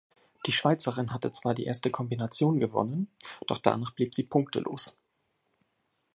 Die Schweizerin hatte zwar die erste Kombination gewonnen, doch danach blieb sie punktelos.